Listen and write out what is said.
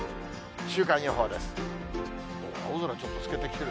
週間予報です。